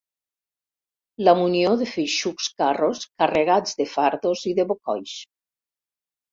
La munió de feixucs carros carregats de fardos i de bocois.